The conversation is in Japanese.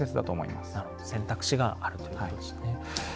なるほど選択肢があるということですよね。